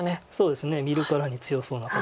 見るからに強そうな形になって。